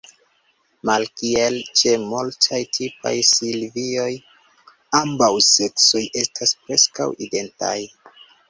Malkiel ĉe multaj tipaj silvioj, ambaŭ seksoj estas preskaŭ identaj.